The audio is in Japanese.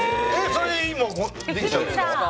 それで、できちゃうんですか。